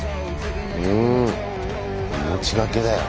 うん命懸けだよね。